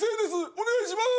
お願いします。